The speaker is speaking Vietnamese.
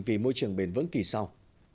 vì môi trường bền vững kỳ sau